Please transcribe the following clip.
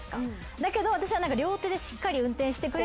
だけど私は。